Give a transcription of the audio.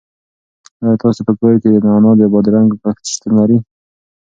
آیا ستاسو په کور کې د نعناع او بادرنګو کښت شتون لري؟